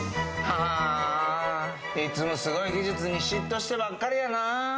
ハァいつもすごい技術に嫉妬してばっかりやな。